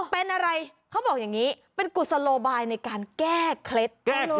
เป็นอะไรเขาบอกอย่างนี้เป็นกุศโลบายในการแก้เคล็ด